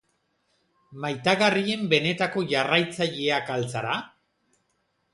Maitagarrien benetako jarraitzaileak al zara?